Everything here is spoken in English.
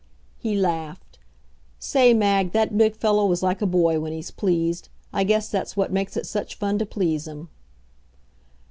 He laughed. Say, Mag, that big fellow is like a boy when he's pleased. I guess that's what makes it such fun to please him.